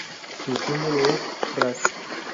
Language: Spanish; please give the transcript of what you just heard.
Su símbolo es rad.